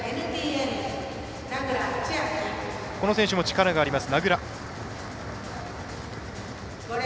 この選手も、力があります、名倉。